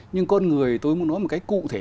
nhưng con người tôi muốn nói một cái cụ thể